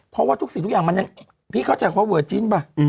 เพราะว่าทุกสิ่งทุกอย่างมันยังพี่เข้าใจว่าเวอร์จิ้นป่ะ